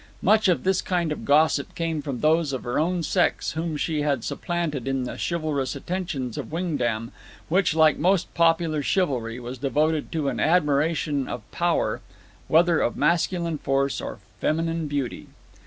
Much of this kind of gossip came from those of her own sex whom she had supplanted in the chivalrous attentions of Wingdam, which, like most popular chivalry, was devoted to an admiration of power, whether of masculine force or feminine beauty.